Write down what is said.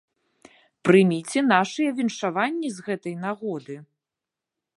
Прыміце нашыя віншаванні з гэтай нагоды!